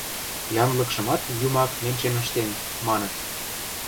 Янлыкшымат юмак ненчен ыштен, маныт.